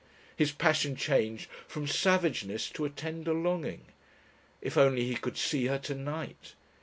His passion changed from savageness to a tender longing. If only he could see her to night!